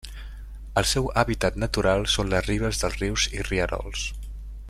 El seu hàbitat natural són les ribes dels rius i rierols.